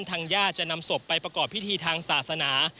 ทางญาติจะนำศพไปประกอบพิธีทางศาสนา